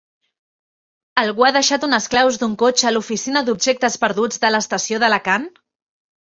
Algú ha deixat unes claus d'un cotxe a l'oficina d'objectes perduts de l'estació d'Alacant?